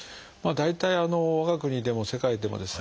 大体我が国でも世界でもですね